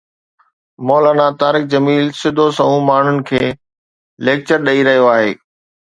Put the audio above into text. مولانا طارق جميل سڌو سنئون ماڻهن کي ليڪچر ڏئي رهيو آهي